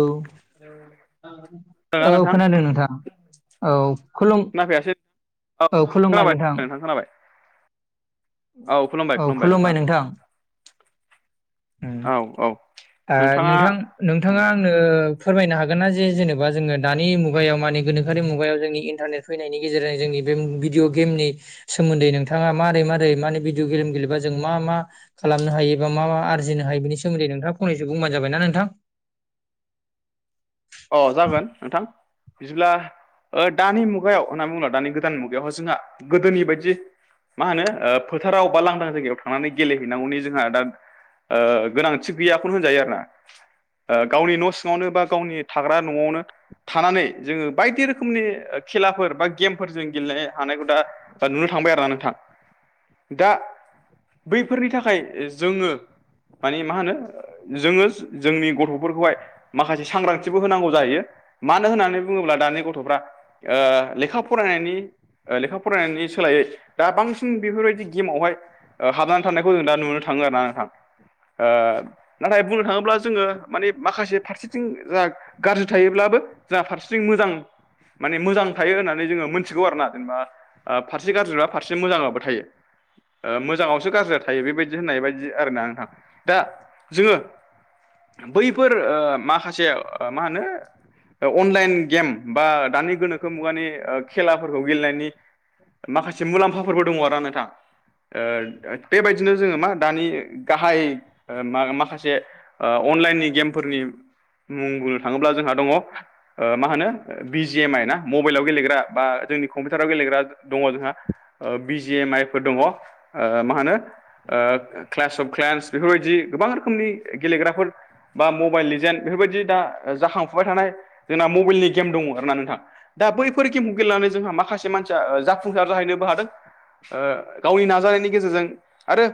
औ-औ खोनादोंना नोंथां खोनादों नोंथां औ खुलुम खोनाफैयासै औ खुलुमबाय खोनाबाय नोंथां खोनाबाय खोनाबाय औ खुलुमबाय नोंथां ओम औ औ नोंथाङा नोंथां नोंथाङा आं नों फोरमायनो हागोन ना जेनेबा जोङो दानि मुगायाव माने गोनोखोआरि मुगायाव जोंनि इन्टारनेट फैनायनि गेजेरजों जोंनि बे भिडिअ' गेमनि सोमोन्दै नोंथाङा मारै मारै माने भिडअ गेम गेलेबा जों मा मा खालामनो हायो बा मा मा आरजि बिनि सोमोनदै फंनैसो बुंबानो जाबायना नोंथां अ जागोन नोंथां बिदिब्ला दानि मुगायाव होनना बुङोला दानि गोदान मुगायावहाय जोंहा गोदोनि बायदि मा होनो फोथाराव बा लांदां जायगायाव थांनानै गेलेहैनांगौनि जोंहा दा गोनांथि गैयाखौनो होनजायो आरो ना गावनि न' सिङावनो बा गावनि थाग्रा न'आवनो थानानै जोङो बायदि रोखोमनि खेलाफोर बा गेमफोर जों गेलेनो हानायखौ दा दा नुनो थांबाय आरोना नोंथां दा बैफोरनि थाखाय जोङो माने मा होनो जोङो जोंनि गथ'फोरखौहाय माखासे सांग्रांथि बो होनांगौ जायो मानो होननानै बुङोब्ला दानि गथ'फ्रा लेखा फरायनायनि लेखा फरायनायनि सोलायै दा बांसिन बेफोरबायदि गेमावहाय हाबनानै थानायखौ जों दा नुनो थाङो आरो ना नोंथां नाथाय बुंनो थाङोब्ला जोङो माने माखासे फारसेथिं जा गाज्रि थायोब्लाबो जोंहा फारसेथिं मोजां माने मोजां थायो होननानै जोङो मोनथिगौ आरो ना जेनेबा फारसे गाज्रिबा फारसे मोजांङाबो थायो मोजाङावसो गाज्रि थायो बेबायदि होननाय बायदि आरोना आंहा दा जोङो बैफोर माखासे मा होनो अनलाइन गेम बा दानि गोनोखो मुगानि खेलाफोरखौ गेलेनायनि माखासे मुलाम्फाफोरबो दङ आरोना नोंथां बेबायदिनो जोङो मा दानि गाहाय माखासे अनलाइननि गेमफोरनि मुं बुंनो थाङोब्ला जोंहा दङ मा होनो बि एम आइ ना मबाइलाव गेलेग्रा बा जोंनि कम्पिउटाराव गेलेग्रा दङ जोंहा बि जि एम आइ फोर दङ मा होनो क्लास अफ क्लन्स बेफोरबायदि गोबां रोखोमनि गेलेग्राफोर बा मबाइल लेजेन् बेफोरबायदि दा जाखांफुबाय थानाय जोंना मबाइलनि गेम दङ आरो ना नोंथां दा बैफोर गेमखौ गेलेनानै जोंहा माखासे मानसिया जाफुंसार जाहैनोबो हादों। गावनि नाजानायनि गेजेरजों आरो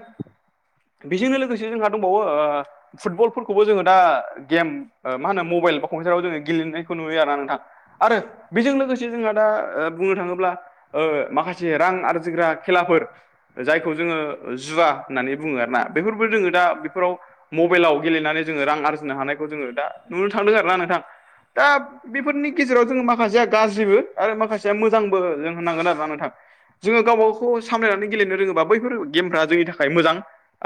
बेजोंनो लोगोसे जोंहा दंबावो फुटबलफोरखौबो जोङो दा गेम मा होनो मबाइल बाम्पिउाराव जो गेलेनाय नुयो आरोना नोंथां। आरो बेजों लोगोसे जोंहा दा बुंनो थाङोब्ला माखासे रां आरजिग्रा खेलाफोर जायखौ जोङो जुवा होननानै बुङो आरो ना बेफोरबो जोङो दा बेफोराव मबाइलाव गेलेनानै जोङो रां आरजिनो हानायखौ जोङो दा नुनो थांदों आरोना नोंथां दा। बेफोरनि गेजेराव जोङो माखासेया गाज्रिबो आरो माखासेया मोजांबो जों होननांगोन आरो आं नोंथां जोङो गावबा गखौ सामलायनानै गेलेनो रोङोबा बैफोर गेमफ्रा जोंनि थाखाय मोजां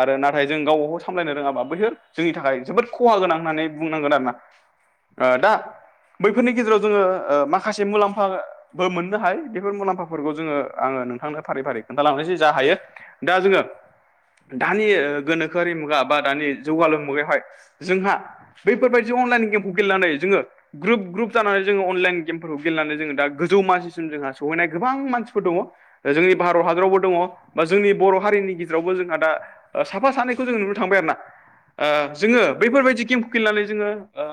आरो नाथाय जों गावबा गाव सामलायनो रोङाबा बैहोर जोंनि थाखाय जोबोद खहा गोनां होननानै बुंनांगोन आरो ना। दा बैफोरनि गेजेराव जोङो माखासे मुलाम्फा। बो मोननो हायो बेफोर मुलाम्फाफोरखौ जोङो आङो नोंथांनो फारि फारि खोन्थालांनोसै जा हायो। दा जोङो दानि गोनोखोआरि मुगा बा दानि जौगालु मुगायावहाय जोंहा बैफोर बाय दि अनलाइन गेम गेलेनानै जोङो ग्रुप ग्रुप जानानै जोङो अनलाइन गेमफोरखौ गेलेनानै जोङो दा गोजौ मासिम जोंहा सहैनाय गोबां मानसिफोर दङ। जोंनि भारत हादरावबो दङ बा जोंनि बर' हारिनि गेजेरावबो जोंहा दा साफा सानैखौ जों नुनो थांबाय आरो ना जोङो बैफोरबायदि गेमखौ गेलेनानै जोङो ओ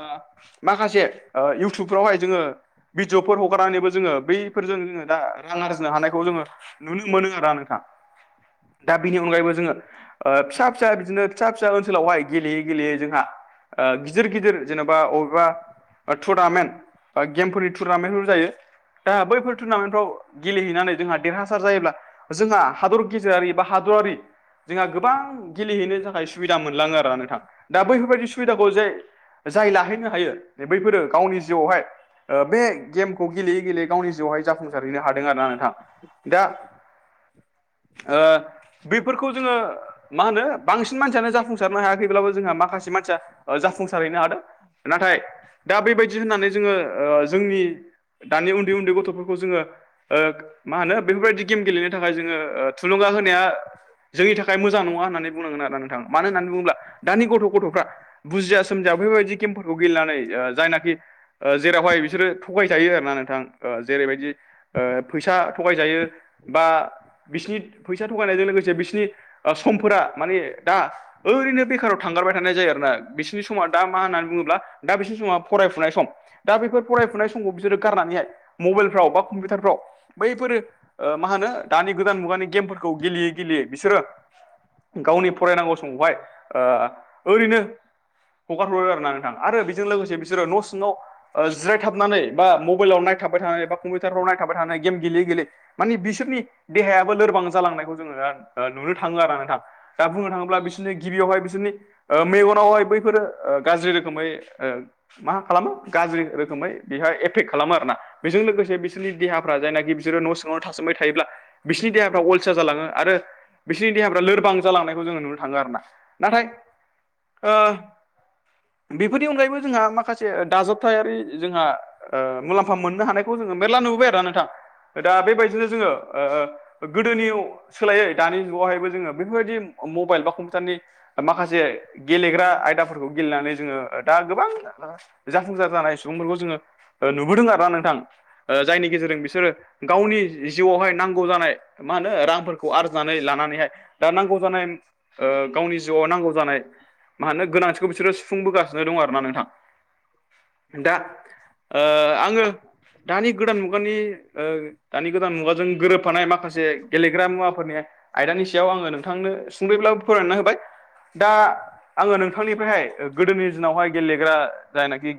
माखासे ओ इउटुबफ्रावहाय जोङो भिडिअफोर हगारनानैबो जोङो बैफोरजों जोङो दा रां आरजिनो हानायखौ जोङो नुनो मोनो आरो ना नोंथां दा बिनि अनगायैबो जोङो ओ फिसा फिसा बिदिनो फिसा फिसा ओनसोलावहाय गेलेयै गेलेयै जोंहा गिदिर गिदिर जेनेबा अबेबा टुरनामेन्ट बा गेमफोरनि टुरनामेन्टफोर जायो दा बैफोर टुरनामेन्टफ्राव गेलेहैनानै जोंहा देरहासार जायोब्ला। जोंहा हादर गेजेरारि बा हादरारि जोंहा गोबां गेलेहैनो थाखाय सुबिदा मोनलाङो आरोना नोंथां दा बैफोरबायदि सुबिदाखौ जे जाय लाहैनो हायो बैफोरो गावनि जिउआवहाय ओ बे गेमखौ गेलेयै गेलेयै गावनि जिउआवहाय जाफुंसारहैनो हादों आरो ना नोंथां। दा ओ बेफोरखौ जोङो मा होनो बांसिन मानसियानो जाफुंसारनो हायाखैब्लाबो जोंहा माखासे मानसिया जाफुंसारहैनो हादों। नाथाय दा बेबायदि होननानै ओ जोङो जोंनि दानि उन्दै उन्दै गथ'फोरखौ जोङो ओ मा होनो बेफोरबायदि गेम गेलेनो थाखाय जोङो थुलुंगा होनाया जोंनि थाखाय मोजां नङा होननानै बुंनांगोन आरोा नोंथाङा मानो होननानै बुङोब्ला दानि गथ' गथ'फ्रा बुजिया सोमजिया बेबायदि गेमफोरखौ गेलेनानै जायनाखि जेरावहाय बिसोरो थगायजायो आरो ना नोंथां जेरैबायदि ओ फैसा थगायजायो बा बिसिनि फैसा थगायनायजों लोगोसे बिसिनि समफोरा माने दा ओरैनो बेखाराव थांगारबाय थानाय जायो आरो ना बिसोरनि समाव दा मा होनना बुङोब्ला दा बिसिनि समाव फरायफुनाय सम दा बेफोर फरायफुनाय समाव बिसोरो गारनानैहाय मबाइलफ्राव बा कम्पिउटारफ्राव बैफोर मा होनो दानि गोदान मुगानि गेमफोरखौ गेलेयै गेलेयै बिसोरो गावनि फरायनांगौ समावहाय ओ ओरैनो हगार हरो आरो ना नों थां आरो बेजों लोगोसे बिसोरो न' सिङाव जिरायथाबनानै बा मबाइलाव नायथाबाय थानाय बा कम्पिउटारफ्राव नायथाबाय थानाय गेम गेलेै गेलेै माने बिसोरनि देहायाबो लोरबां जालांनायखौ जोङो नुनो थाङो आरो नोंथां। दा बुंनो थाङोब्ला बिसोरनि गिबियावहाय बिसोरनि मेगनावहाय बैफोरो गाज्रि रो खोमै मा खालामो गाज्रि रोखोमै बेहा एफेक्ट खालामो आरो ना बेजों लोगोसे बिसोरनि देहाफ्रा जायनाखि बिसोरो न' सिङावनो थासोमबाय थायोब्ला बिसोरनि देहाफ्रा अलसा जालाङो आरो बिसोरनि देहाफ्रा लोरबां जालांनायखौ जोङो नुनो थाङो आरोना नाथाय ओ बेफोरनि अनगायैबो जोंहा माखासे दाजाबथायारि जोंहा ओ मुलाम्फा मोननो हानायखौ जोङो मेरला नुबोाय आरो नोंथां दा बेबायदिनो जोङो ओ गोदोनि सोलायै दानि जुगावहायबो जोङो बेफोरबायदि मबाइल बा कम्पिउटारनि माखासे गेलेग्रा आयदाफोरखौ गेलेनानै जोङो दा गोबां जाफुंसार जानाय सुबुंफोरखौ जोङो नुबोदों आरो ना नोंथां जायनि गेजेरजों बिसोरो गावनि जिउआवहाय नांगौ जानाय मा होनो रांफोरखौ आरजिनानै लानानैहाय दा नांगौ जानाय ओ गावनि जिउआव नांगौ जानाय मा होनो गोनांथिखौ बिसोरो सुफुंबोगासिनो दं आरोना नोंथां दा ओ आङो दानि गोदान मुगानि ओ दानि गोदान मुगाजों गोरोबफानाय माखासे गेलेग्रा मुवाफोरनि आयदानि सायाव आङो नोंथांनो सुंदयैब्लाबो फोररायना होबाय दा आङो नोंथांनिफ्रायहाय गोदोनि दिनावहाय गेलेग्रा जायनाखि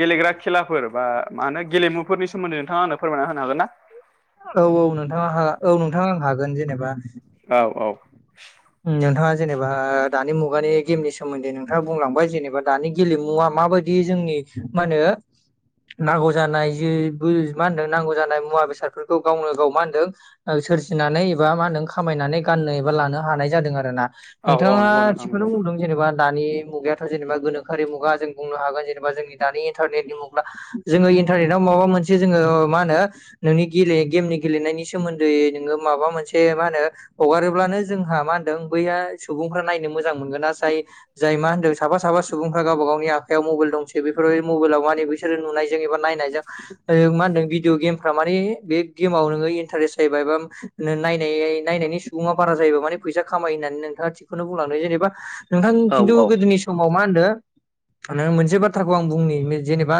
गेलेग्रा खेलाफोर बा मा होनो गेलेमुफोरनि सोमोन्दै नोंथां आनो फोरमायना होनो हागोन ना? औ-औ नोंथाङा औ नोंथां आं हागोन जेनेबा औ-औ नोंथाङा जेनेबा दानि मुगानि गेमनि सोमोन्दै नोंथाङा बुंलांबाय जेनेबा दानि गेलेमुवा माबायदि दि जोंनि मा होनो नांगौ जानाय जि मा होनदों नांगौ जानाय मुवा बेसादफोरखौ गावनो गाव मा होनदों सोरजिनानै एबा मा होनो खामायनानै गाननो एबा लानो हानाय जादों आरो ना। औ औ नोंथाङा नंगौ नोंथां थिगखौनो नंगौ बुंदों। जेनेबा दानि मुगायाथ' जेनेबा गोनोरि मुगा जों बुंनो हागोन जेनेबा जोंनि दानि इन्टारनेटनि मुगा जोङो इन्टारनेटाव माबा मोनसे जोङो मा होनो नोंनि गेले गेमनि गेलेनायनि सोमोन्दै नोङो माबा मोनसे मा होनो हगारोब्लानो जोंहा मा होनदों बैया सुबुंफ्रा नायनो मोजां मोनगोन जाय जाय मा होन्दों साफा सफा सुबुंफ्रा गावबा गावनि आखायाव मबाइल दंसै बेफोरबायदि मबाइलाव मा बिसोरो नुनायजों एबा नायनायजों मा होनदों भिदिअ गेमफ्रा माने बे गेमाव नोङो इन्टारेस्ट जाहैबाय बा नाय नायनायनि सुबुङा बारा जायोबा मे फैसा खामायो होननानै नोंथाङा थिगखौनो बुंलांदों जेनेबा नोंथां खिन्थु गोदोनि समाव मा होनदों मोनसे बाथ्राखौ आं बुंनि जेनेबा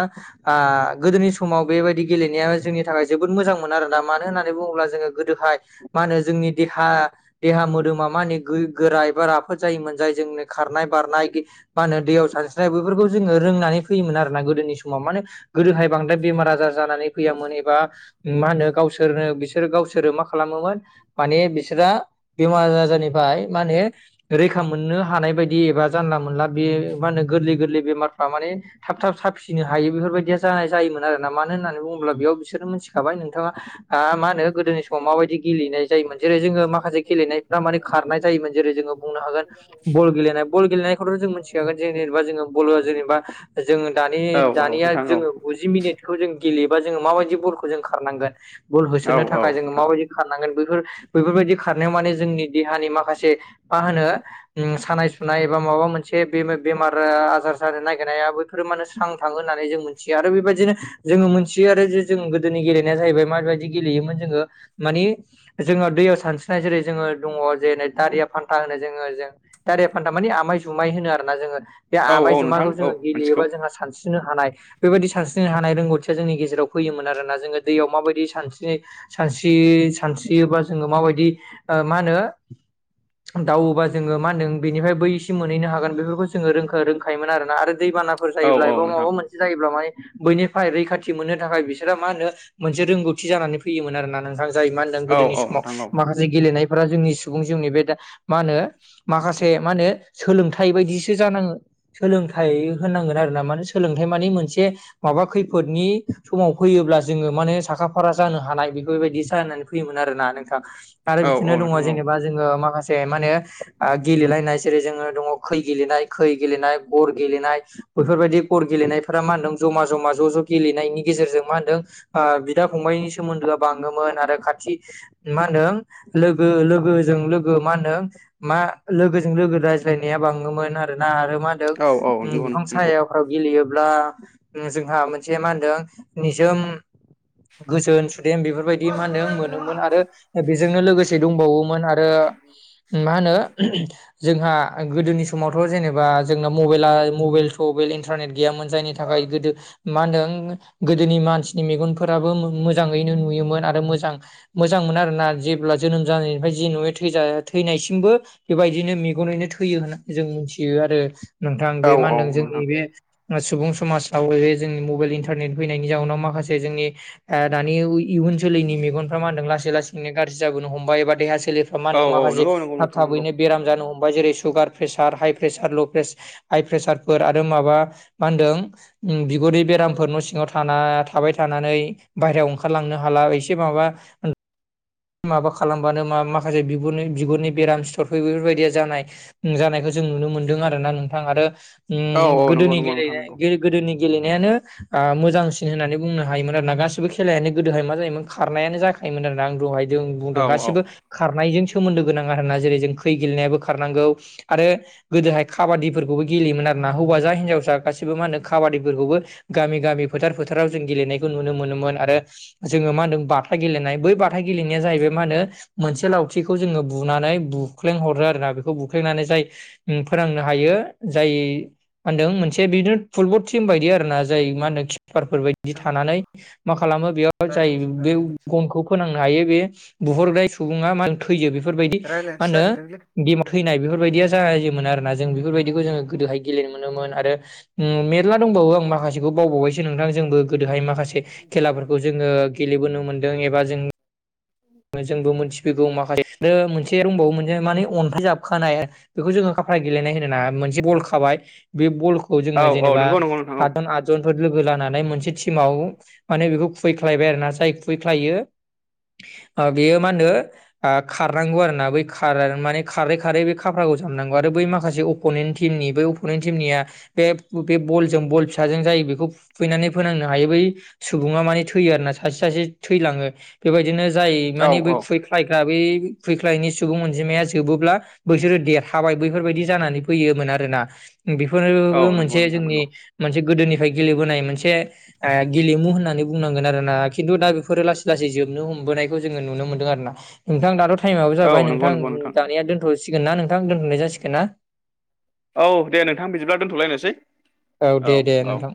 गोदोनि समाव बेबायदि गेलेनाया जोंनि थाखाय जोबोद मोजां मोनो आरोना मानो होननानै बुङोब्ला जोङो गोदोहाय मा होनो जोंनि देहा देहा मोदोमा मान होन गोरा एबा राफोद जायोमोन जाय जोंनि खारनाय बारनाय मा होनो दैयाव सानस्रिनाय बेफोरखौ जोङो रोंनानै फैयोमोन आरोना गोदोनि समाव माने गोदोहाय बांद्राय बेमार आजार जानानै फैयामोन एबा मा होनो गावसोरनो बिसोर गावसोरो मा खालामोमोन माने बिसोरा बेमार आजारनिफ्राय माने रैखा मोननो हानाय बायदि एबा जानला मानला बे मा होनो गोरलै गोरलै बेमारफ्रा माने थाब थाब साफिसिनो हायो बेफोरबायदिया जानाय जायोमोन आरो मानो होननानै बुङोब्ला बेयाव बिसोरो मोनथिखाबाय नोंथाङा मा होनो गोदोनि समाव माबायदि गेलेनाय जायोमोन जेरै जोङो माखासे गेलेनायफ्रा माने खारनाय जायोमोन जेरै जोङो बुंनो हागोन बल गेलेनाय बल गेलेनायखौथ' जों मोनथि खागोन जेनेबा जोङो ब'आ जेनेबा जोङ दानि औ औ दानिया नोंथां जोङो गुजि मिनिटखौ जों गेलेयोबा जोङो माबायदि बलखौ जों खारनांगोन बल औ होसोनो औ थाखाय जोङो नोंथां माबायदि खारनांगोन बेफोर बेफोरबायदि खारनायाव माने जोंनि देहानि माखासे मा होनो सानाय सुनाय एबा माबा मोनसे बे बेमार आजार जानो नागिरनायाबो बे फोरो माने स्रां थाङो होन्नानै जों मिथियो आरो बेबायदिनो जोङो मोनथियो आरो जे जों गोदोनि गेलेनाया जाहैबाय माबायदि गेलेयोमोन जोङो मानि जोङो दैयाव सानस्रिनाय जेरै जोङो दङ जेरै दारिया फान्था होनो जोङो जों दारिया फान्था माने आमाय जुमाय होनो आरोना जोङो बे औ औ आमाय नोंथां जुमायखौ औ जोङो मिथिगौ गेलेयोबा जोंहा सानसि स्रिनो हानाय बेबायदि सानस्रिनो हानाय रोंगौथिया जोंनि गेजेराव फैयोमोन आरोना जोङो दैयाव माबायदि सानस्रिनो सानस्रि सानस्रियोबा जोङो माबायदि मा होनो दावोबा जोङो मा होनदों बेनिफ्राय बै इसे मोनहैनो हागोन बेफोरखौ जोङो र रोंखायोमोन आरोना आरो दैबाना फोर औ जायोब्ला औ एबा नोंथां माबा मोनसे जायोब्ला माने बैनिफ्राय रैखाथि मोननो थाखाय बिसोरा मा होनो मोनसे रोंगौथि जानानै फैयोमोन आरो ना नोंथां जाय मा होन औ गोदोनि औ समाव नोंथां औ माखासे गेलेनायफोरा जोंनि सुबुं जिउनि बे मा होनो माखासे मा होनो सोलोंथाइ बायदिसो जानाङो सोलोंथाइ होनांगोन आरोना माने सोलोंथाइ माने मोनसे माबा खैफोदनि समाव फैयोब्ला जोङो माने साखा फारा जानो हानाय बेफोरबायदि जानानै फैयोमोन आरोना नोंथां आरो औ बिदिनो औ दङ नोंथां जेनेबा जोङो माखासे माने गेलेलायनाय जेरै जोङो दङ खै गेलेनाय खै गेलेनाय बर गेलेनाय बैफोरबायदि गर गेलेनायफोरा मा होनदों जमा जमा ज' ज' गेलेनायनि गेजेरजों मा होन्दों बिदा फंबाइनि सोमोन्दोआ बाङोमोन आरो खाथि मा होनदों लोगो लोगोजों लोगो मा होनो मा लोगोजों लोगो रायज्लायनाया बाङोमोन आरोना आरो मा औ औ होनदों नंगौ बिफां नोंथां नंगौ सायाव गेलेयोब्ला जोंहा मोनसे मा होनदों निजोम गोजोन सुदेम बेफोरबायदि मा होनदों मोनोमोन आरो बेजोंनो लोगोसे दंबावोमोन आरो मा होनो जोंहा गोदोनि समावथ' जेनेबा जोंना मबाइला मबाइल मबाइल इन्टारनेट गैयामोन जायनि थाखाय गोदो मा होनदों गोदोनि मानसिनि मेगनफोराबो मोजाङैनो नुयोमोन आरो मोजां मोजांमोन आरोना जेब्ला जोनोम जानायनिफ्राय जि नुयो थैनायसिमबो बेबायदिनो मेगनैनो थैयो होननानै जों मिथियो आरो नोंथां औ बे मा औ होनदों जोंनि नोंथां बे सुबुं समाजाव जोंनि मबाइल इन्टारनेट फैनायनि जाउनाव माखासे जोंनि दानि इयुन जोलैनि मेगनफ्रा मा होनदों लासै लासैनो गाज्रि जाबोनो हमबाय एबा देहा सोलेरफ्रा मा औ होनो औ माखासे नंगौ नंगौ थाब नोंथां नंगौ थाबैनो बेराम जानो हम बाय जेरै सुगार प्रेसार हाइ प्रेसार ल' प्रेसार हाइ प्रेसारफोर आरो माबा मा होनदों ओ बिगुरनि बेरामफोर न' सिङाव थाना थाबाय थानानै बायहेरायाव ओंखारलांनो हाला एसे माबा माबा खालामबानो मा माखासे बिगुरनि बिगुरनि बेराम सिथरफोर बेफोरबायदिया जानाय जानायखौ जों नुनो मोनदों आरो ना नोंथां आरो उ औ औ नंगौ गोदोनि नंगौ नोंथां नंगौ गेलेनाय गोदोनि गेलेनायानो मोजांसिन होननानै बुंनो हायोमोन आरो ना गासिबो खेलायानो गोदोहाय मा जायोमोन खारनायानो जाखायोमोन आरो ना आं दहाय जों औ बुंदों औ गासिबो खारनायजों सोमोन्दो गोनां आरोना जेरै जों खै गेलेनायाबो खारनांगौ आरो गोदोहाय खाबादिफोरखौबो गेलेयोमोन आरोना हौवासा हिन्जावसा गासैबो मा होनो काबादिफोरखौबो गामि गामि फोथार फोथाराव जों गेलेनायखौ नुनो मोनोमोन आरो जोङो मा होनदों बाथा गेलेनाय बै बाथा गेलेनाया जाहैबाय मा होनो मोनसे लावथिखौ जोङो बुनानै बुख्लेंहरो आरोना बेखौ बुख्लेंनानै जाय फोनांनो हायो जाय मा होनदों मोनसे बिदिनो फुटबल टिम बायदि आरो ना जाय मा होनदों किपारफोर बायदि बिदि थानानै मा खालामो बेयाव जाय बे गनखौ थायो बे बुहरनाय सुबुंआ थैयो बेफोरबायदि मा होनो गेमाव थैनाय बेफोरबायदिया जायोमोन आरोना जों बेफोरबायदिखौ जोङो गोदोहाय गेलेनो मोनोमोन आरो मेरला दंबावो आं माखासेखौ बावबावबायसो नोंथां जोंबो गोदोहाय माखासे खेलाफोरखौ जोङो गेलेबोनो मोनदों एबा जों जोंबो मोनथिबोगौ माखासे मोनसे दंबावो मोनसे माने अन्थाइ जाबखानाय बेखौ जोङो खाफ्रा गेलेनाय होनो ना मोनसे बल खाबाय बे बलखौ खौ औ जोङो औ जेनेबा नंगौ नंगौ नोंथां औ सातजन आत जनफोर लोगो जानानै मोनसे टिमाव माने बेखौ खुबैख्लायबाय आरो ना जाय खुबैख्लायो बेयो मा होनो खारनांगौ आरो ना बै खार माने खारै खारै बे खाफ्राखौ जाबनांगौ आरो बै माखासे अपनेन्ट टिमनि बे अपनेन्ट टिमनिया बे बे बलजों बल फिसाजों जाय बेखौ खुबैनानै फोनांनो हायो बै सुबुङा माने थैयो आरो ना सासे सासे थैलाङो बेबायदिनो जाय मानि बै औ खुबैख्लाय ग्रा बै खुबैख्लायनि सुबुं अनजिमाया जोबोब्ला बैसोरो देरहाबाय बैफोरबायदि जानानै फैयोमोन आरोना औ बेफोरबो नंगौ मोनसे नोंथां जोंनि नंगौ मोनसे गोदोनिफ्राय गेलेबोनाय मोनसे गेलेमु होननानै बुंनांगोन आरोना खिन्थु दा बेफोरो लासै लासै जोबनो हमबोनाय खौ जोङो नुनो मोनदों आरो ना नोंथां दाथ' टाइमाबो जाबाय औ नंगौ नोंथां नंगौ दानिया दोनथ सिगोन ना नोंथां दोनथ'नाय जासिगोन ना औ दे नोंथां बिदिब्ला दोनथ'लायनोसै औ दे दे नोंथां